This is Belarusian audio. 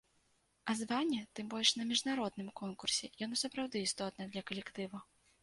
А званне, тым больш на міжнароднымі конкурсе, яно сапраўды істотнае для калектыву.